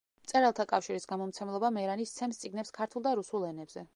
მწერალთა კავშირის გამომცემლობა „მერანი“ სცემს წიგნებს ქართულ და რუსულ ენებზე.